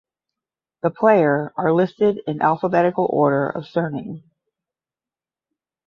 The player are listed in alphabetical order of surname.